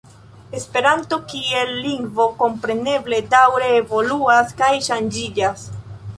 Esperanto kiel lingvo kompreneble daŭre evoluas kaj ŝanĝiĝas.